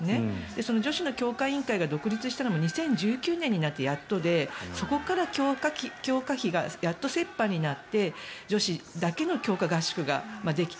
その女子の強化委員会が独立したのも２０１９年になってやっとでそこから強化費がやっと折半になって女子だけの強化合宿ができた。